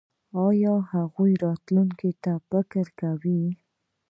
ایا د هغوی راتلونکي ته فکر کوئ؟